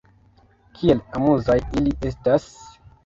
Kiel amuzaj ili estas!